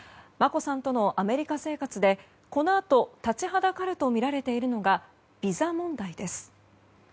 眞子さんとのアメリカ生活でこのあと立ちはだかるとみられているのがビザ問題です。